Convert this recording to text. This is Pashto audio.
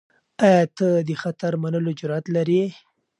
آیا ته د خطر منلو جرئت لرې؟